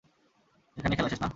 এখানেই খেলা শেষ, না?